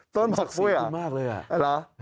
ต้นบอกสวยหรออาจระอื้อหรอฮะคะ